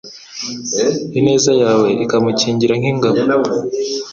ineza yawe ikamukingira nk’ingabo